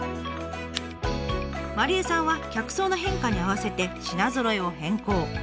麻梨絵さんは客層の変化に合わせて品ぞろえを変更。